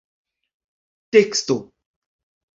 teksto